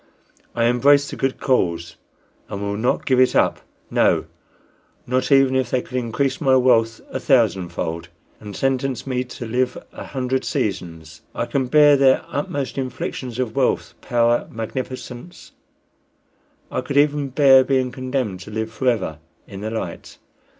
I embrace the good cause, and will not give it up no, not even if they could increase my wealth a thousand fold, and sentence me to live a hundred seasons. I can bear their utmost inflictions of wealth, power, magnificence; I could even bear being condemned to live forever in the light.